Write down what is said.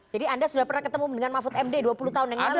jadi anda sudah pernah ketemu dengan mahfud md dua puluh tahun yang lalu